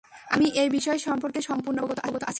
আমি এই বিষয় সম্পর্কে সম্পূর্ণভাবে অবগত আছি।